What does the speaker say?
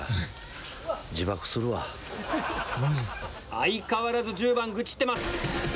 相変わらず１０番愚痴ってます。